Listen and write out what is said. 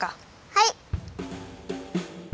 はい！